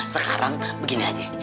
sekarang begini aja